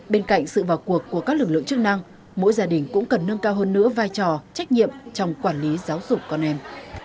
bên cạnh sự vào cuộc của các lực lượng chức năng mỗi gia đình cũng cần nâng cao hơn nữa vai trò trách nhiệm trong quản lý giáo dục con em